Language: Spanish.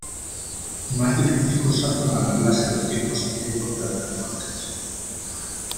más difícil cosa fué ganarlas en los tiempos antiguos de Hernán Cortés .